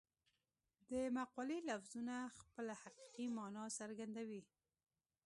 د مقولې لفظونه خپله حقیقي مانا څرګندوي